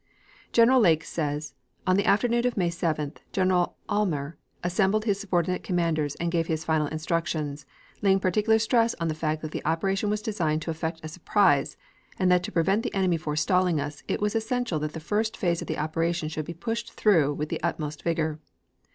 General Lake says: "On the afternoon of March 7th, General Aylmer assembled his subordinate commanders and gave his final instructions, laying particular stress on the fact that the operation was designed to effect a surprise, and that to prevent the enemy forestalling us, it was essential that the first phase of the operation should be pushed through with the utmost vigor.